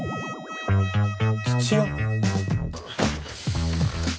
土屋。